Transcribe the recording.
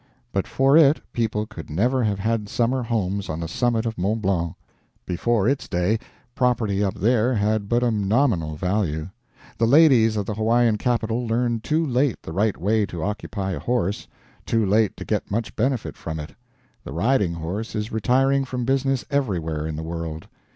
But for it, people could never have had summer homes on the summit of Mont Blanc; before its day, property up there had but a nominal value. The ladies of the Hawaiian capital learned too late the right way to occupy a horse too late to get much benefit from it. The riding horse is retiring from business everywhere in the world.